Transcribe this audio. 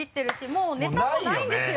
もうネタもないんですよ。